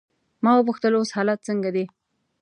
ما وپوښتل: اوس حالات څنګه دي؟